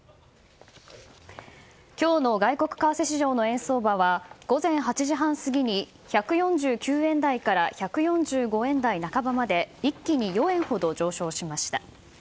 今日の外国為替市場の円相場は午前８時半過ぎに１４９円台から１４５円台半ばまで一気に４円ほど上昇しました。